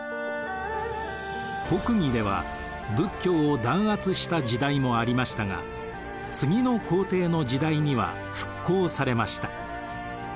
北魏では仏教を弾圧した時代もありましたが次の皇帝の時代には復興されました。